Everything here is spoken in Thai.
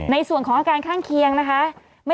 ในส่วนของอาการข้างเคียงนะคะ